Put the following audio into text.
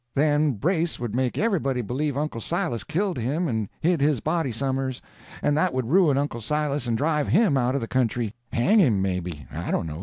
Then Brace would make everybody believe Uncle Silas killed him and hid his body somers; and that would ruin Uncle Silas and drive him out of the country—hang him, maybe; I dunno.